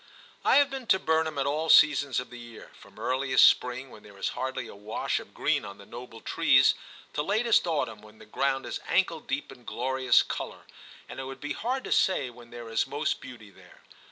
I have been to Burnham at all seasons of the year, from earliest spring, when there is hardly a wash of green on the noble trees, to latest autumn, when the ground is ankle deep in glorious colour, and it would be hard to say when there is most beauty there.